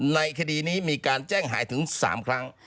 ในคดีนี้มีการแจ้งหายถึง๓ครั้ง